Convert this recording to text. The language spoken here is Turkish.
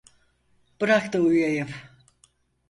Bırak da uyuyayım.